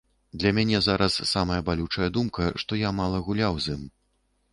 Для мяне зараз самая балючая думка, што я мала гуляў з ім.